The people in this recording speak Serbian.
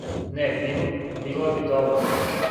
Не би било добро.